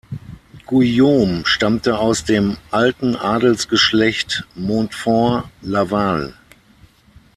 Guillaume stammte aus dem alten Adelsgeschlecht Montfort-Laval.